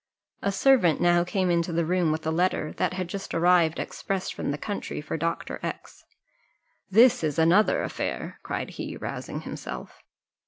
A servant now came into the room with a letter, that had just arrived express from the country for Dr. X . "This is another affair," cried he, rousing himself.